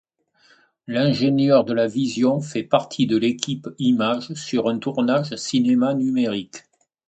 L'ingénieur de la vision fait partie de l'équipe image sur un tournage cinéma numérique.